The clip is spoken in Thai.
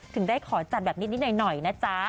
ถึงได้ขอจัดแบบนิดหน่อยนะจ๊ะ